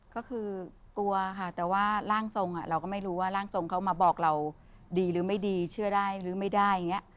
ก็คือกลัวค่ะแต่ว่าร่างทรงเราก็ไม่รู้ว่าร่างทรงเขามาบอกเราดีหรือไม่ดีเชื่อได้หรือไม่ได้อย่างนี้